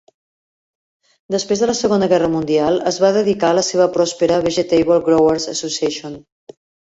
Després de la Segona Guerra Mundial, es va dedicar a la seva pròspera Vegetable Growers Association.